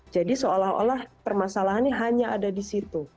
jadi seolah olah permasalahannya hanya ada di situ